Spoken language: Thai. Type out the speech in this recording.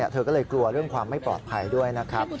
เธอก็เลยกลัวเรื่องความไม่ปลอดภัยด้วยนะครับ